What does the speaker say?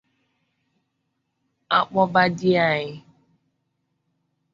a kpọba Dianyị